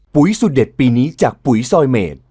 สุดเด็ดปีนี้จากปุ๋ยซอยเมด